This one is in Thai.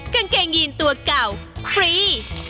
กางเกงยีนตัวเก่าฟรี